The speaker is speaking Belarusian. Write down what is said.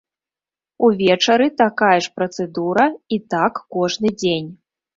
Увечары такая ж працэдура, і так кожны дзень.